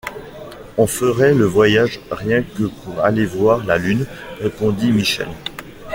On ferait le voyage rien que pour aller voir la Lune! répondit Michel.